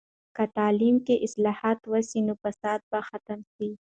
که تعلیم کې اصلاحات وسي، نو فساد به ختم سي.